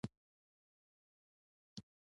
له ملګري سره مرسته مه هېروه.